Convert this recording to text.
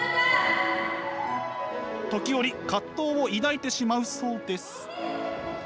時折葛藤を抱いてしまうそうです。